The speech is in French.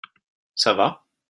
Ça va ?